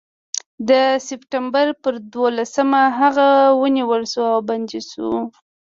د سپټمبر پر دولسمه هغه ونیول شو او بندي شو.